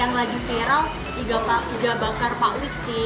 yang lagi viral iga bakar pak wit sih